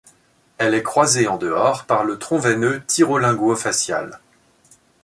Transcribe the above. Elle est croisée en dehors par le tronc veineux thyro-linguo-facial.